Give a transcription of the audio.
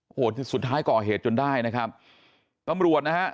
โอ้โหสุดท้ายก่อเหตุจนได้นะครับตำรวจนะฮะ